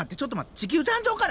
地球誕生から？